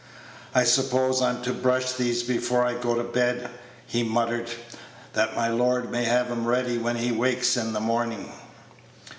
"I suppose I'm to brush these before I go to bed," he muttered, "that my lord may have 'em ready when he wakes in th' morning."